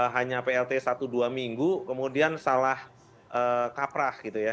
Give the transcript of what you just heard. hanya plt satu dua minggu kemudian salah kaprah gitu ya